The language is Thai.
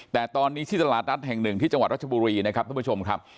แต่ตอนนี้ที่ตลาดนัดแห่งหนึ่งที่จังหวัดรัชบุรีนะครับทุกผู้ชมครับ